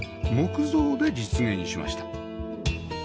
木造で実現しました